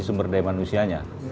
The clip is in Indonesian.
sisi sumber daya manusianya